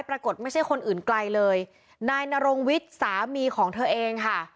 ปรากฏไม่ใช่คนอื่นไกลเลยนายนรงวิทย์สามีของเธอเองค่ะ